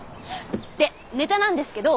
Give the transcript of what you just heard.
でネタなんですけどー。